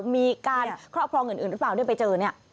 มีการครอบครองอื่นหรือเปล่าด้วยไปเจอ